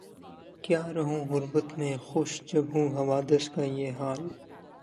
کیا رہوں غربت میں خوش جب ہو حوادث کا یہ حال